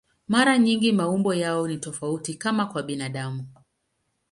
Mara nyingi maumbo yao ni tofauti, kama kwa binadamu.